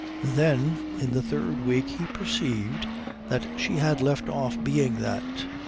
Then in the third week he perceived that she had left off being that.